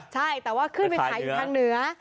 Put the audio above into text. ใช่แต่ว่าขึ้นไปขายอยู่ทางเหนือ